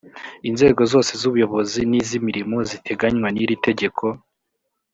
inzego zose z’ubuyobozi n’iz’imirimo ziteganywa n’iri tegeko